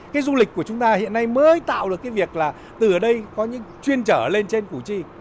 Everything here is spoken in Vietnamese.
cái du lịch của chúng ta hiện nay mới tạo được cái việc là từ ở đây có những chuyên trở lên trên củ chi